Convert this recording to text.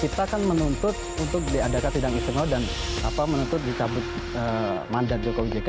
kita kan menuntut untuk diadakan sidang istimewa dan menuntut cabut mandat ke covid jk